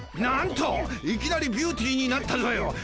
なんといきなりビューティーになったぞよ！